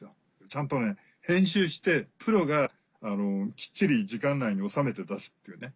ちゃんと編集してプロがきっちり時間内に収めて出すっていうね。